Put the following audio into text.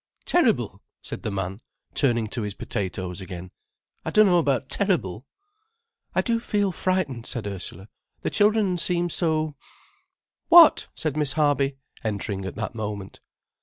"Terrible?" said the man, turning to his potatoes again. "I dunno about terrible." "I do feel frightened," said Ursula. "The children seem so——" "What?" said Miss Harby, entering at that moment.